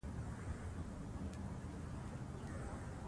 زده کوونکي د جشن لپاره بيرغونه جوړوي.